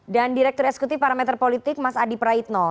dan direktur sekutif parameter politik mas adi peraetno